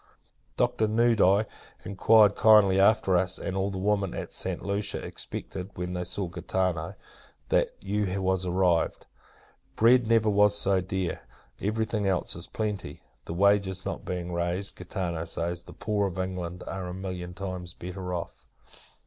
Doctor Nudi inquired kindly after us; and all the women at Santa Lucia expected, when they saw Gaetano, that you was arrived. Bread never was so dear; every thing else in plenty. The wages not being raised, Gaetano says, the poor of England are a million times better off.